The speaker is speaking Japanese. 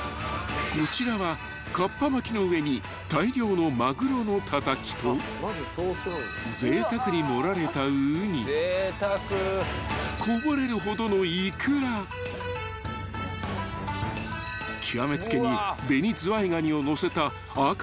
［こちらはかっぱ巻きの上に大量のマグロのたたきとぜいたくに盛られたウニこぼれるほどのイクラ極め付けにベニズワイガニを載せた赤字覚悟のサービス商品］